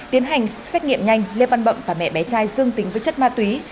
tiến hành xét nghiệm nhanh lê văn bậm và mẹ bé trai dương tính với chất ma túy